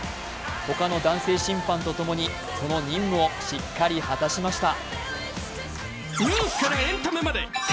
他の男性審判とともに、その任務をしっかり果たしました。